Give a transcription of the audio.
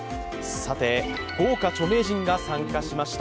さて豪華著名人が参加しました。